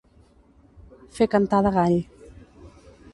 Fer cantar de gall.